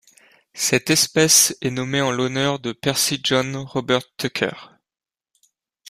Cette espèce est nommée en l'honneur de Percy John Robert Tucker.